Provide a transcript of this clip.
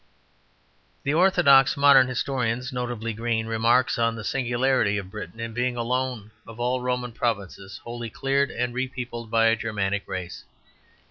The orthodox modern historian, notably Green, remarks on the singularity of Britain in being alone of all Roman provinces wholly cleared and repeopled by a Germanic race.